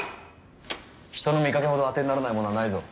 人の見かけほど当てにならないものはないぞ。